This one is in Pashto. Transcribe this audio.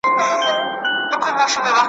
لېوانو ته غوښي چا پخ کړي دي ,